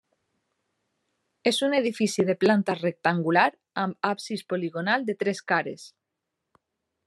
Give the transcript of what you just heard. És un edifici de planta rectangular amb absis poligonal de tres cares.